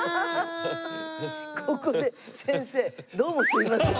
ここで先生どうもすいません。